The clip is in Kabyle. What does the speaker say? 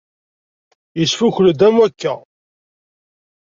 Yesfukel-d am wakka.